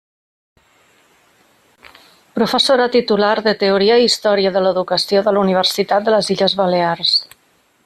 Professora titular de Teoria i Història de l'Educació de la Universitat de les Illes Balears.